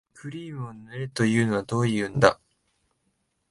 クリームを塗れというのはどういうんだ